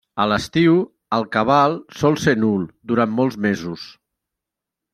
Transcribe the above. A l'estiu, el cabal sol ser nul durant molts mesos.